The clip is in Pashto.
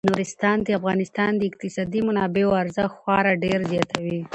نورستان د افغانستان د اقتصادي منابعو ارزښت خورا ډیر زیاتوي.